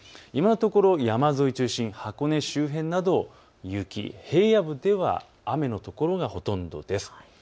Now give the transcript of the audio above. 今のところ山沿いを中心に箱根周辺など雪、平野部では雨の所がほとんどです。